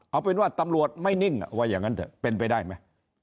เอาเป็นว่าตำรวจไม่นิ่งว่าอย่างนั้นเถอะเป็นไปได้ไหม